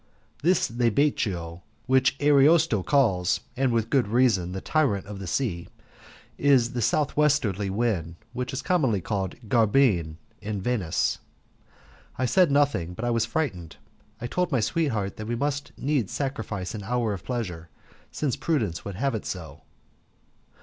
This Libecchio which Ariosto calls and with good reason the tyrant of the sea, is the southwesterly wind, which is commonly called 'Garbin' at Venice. I said nothing, but I was frightened. I told my sweetheart that we must needs sacrifice an hour of pleasure, since prudence would have it so.